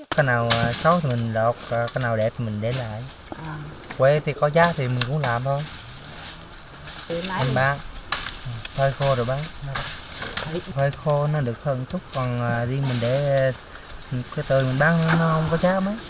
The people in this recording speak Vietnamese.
tại các địa phương